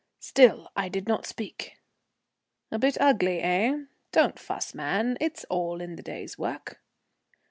Still I did not speak. "A bit ugly, eh? Don't fuss, man. It's all in the day's work."